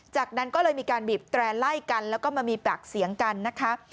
จากนั้นก็เลยมีการบีบแตร่ไล่กันแล้วก็มามีปากเสียงกันนะคะ